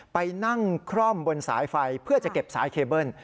ไปนั่งคร่อมบนสายไฟเพื่อจะเก็บสายเคเบิ้ล